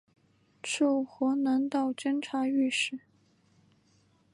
授河南道监察御史。